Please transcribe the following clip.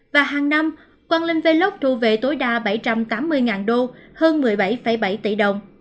và hàng năm quang linh velok thu về tối đa bảy trăm tám mươi đô hơn một mươi bảy bảy tỷ đồng